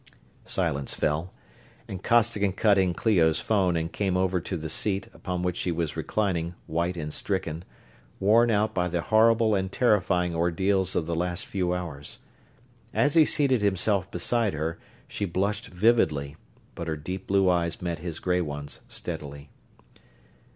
Silence fell, and Costigan cut in Clio's phone and came over to the seat upon which she was reclining, white and stricken worn out by the horrible and terrifying ordeals of the last few hours. As he seated himself beside her she blushed vividly, but her deep blue eyes met his gray ones steadily.